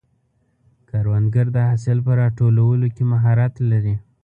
کروندګر د حاصل په راټولولو کې مهارت لري